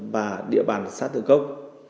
và địa bàn xã thường cốc